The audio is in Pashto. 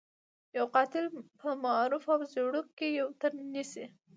يو قاتل په معروف او زيړوک کې يو تن نيسي.